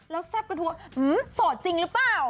แล้วแซ่บกระทัวโสดจริงหรือเปล่า